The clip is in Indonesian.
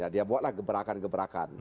dia buatlah gebrakan gebrakan